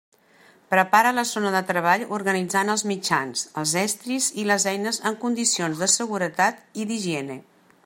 Prepara la zona de treball organitzant els mitjans, els estris i les eines en condicions de seguretat i d'higiene.